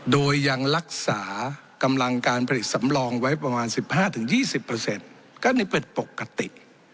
โดยยังรักษากำลังการผลิตสำรองไว้ประมาณ๑๕๒๐ก็นี่เป็นปกติ